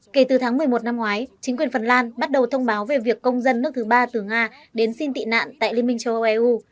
kể từ tháng một mươi một năm ngoái chính quyền phần lan bắt đầu thông báo về việc công dân nước thứ ba từ nga đến xin tị nạn tại liên minh châu âu eu